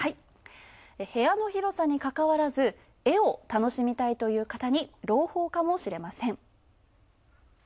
部屋の広さにかかわらず、絵を楽しみたいという方に朗報かもしれません。